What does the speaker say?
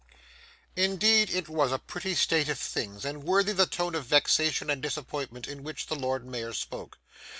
Indeed, it was a pretty state of things, and worthy the tone of vexation and disappointment in which the Lord Mayor spoke.